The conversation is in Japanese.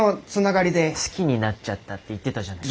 好きになっちゃったって言ってたじゃない。